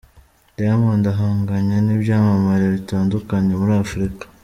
Diamond ahanganye n'ibyamamare bitandukanye muri Afrika.